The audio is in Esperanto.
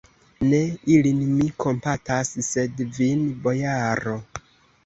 Ne ilin mi kompatas, sed vin, bojaro!